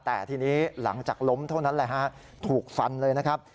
แต่ทีนี้หลังจากล้มเท่านั้นแหละฮะถูกฟันเลยนะครับ